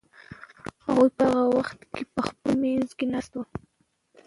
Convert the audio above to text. هغوی به په هغه وخت کې په خپلو مېزو ناست وي.